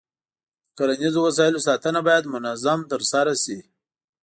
د کرنیزو وسایلو ساتنه باید منظم ترسره شي.